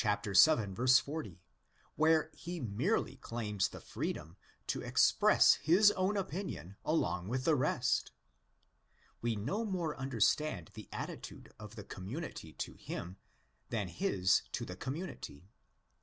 40 (Soxw δὲ κἀγὼ πνεῦμα θεοῦ ἔχειν), where he merely claims the freedom to express his own opinion along with the rest. We no more understand the attitude of the community to him than his to the community.